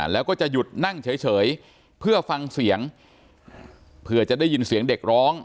แล้วก็จะหยุดนั่งเฉยเพื่อฟังเสียงเผื่อจะได้ยินเสียงเด็กร้อง